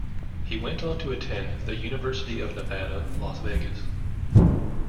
He went on to attend the University of Nevada, Las Vegas.